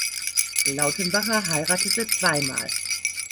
Lautenbacher heiratete zwei Mal.